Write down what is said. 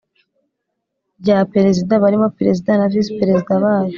rya Perezida barimo Perezida na VisiPerezida bayo